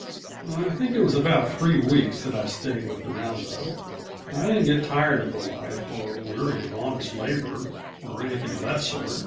I think it was about three weeks that I stayed with the round up. I didn't get tired of the life, or weary of honest labor, or anything of that sort.